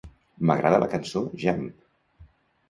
M'agrada la cançó "Jump".